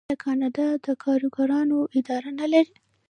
آیا کاناډا د کارګرانو اداره نلري؟